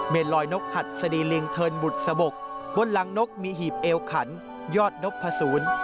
ลอยนกหัดสดีลิงเทินบุตรสะบกบนหลังนกมีหีบเอวขันยอดนกผสูร